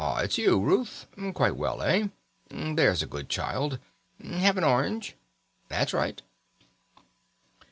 it's you, Ruth. Quite well, eh? There's a good child. Have an orange? That's right."